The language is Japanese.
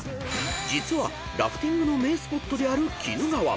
［実はラフティングの名スポットである鬼怒川］